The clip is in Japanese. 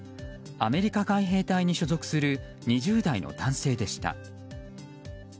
アメリカ海兵隊に所属する２０代の男性でした。